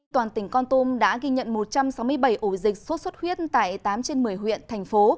toàn tỉnh con tum đã ghi nhận một trăm sáu mươi bảy ổ dịch sốt xuất huyết tại tám trên một mươi huyện thành phố